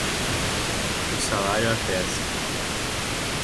O salário à peça